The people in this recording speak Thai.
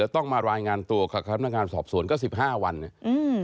และต้องมารายงานตัวกับคำนักงานสอบสวนสี่ห้าวันนี้